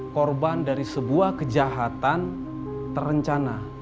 korban dari sebuah kejahatan terencana